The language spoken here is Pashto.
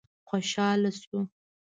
خوشاله شو.